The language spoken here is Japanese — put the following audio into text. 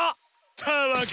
たわけ。